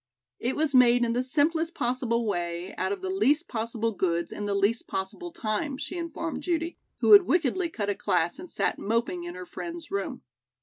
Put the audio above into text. "It was made in the simplest possible way out of the least possible goods in the least possible time," she informed Judy, who had wickedly cut a class and sat moping in her friend's room.